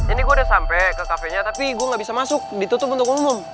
ini gue udah sampe ke cafe nya tapi gue gak bisa masuk ditutup untuk ngumum